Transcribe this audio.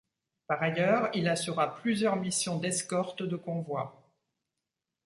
Par ailleurs, il assura plusieurs missions d'escorte de convois.